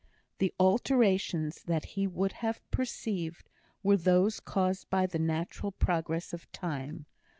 The alterations that he would have perceived were those caused by the natural progress of time.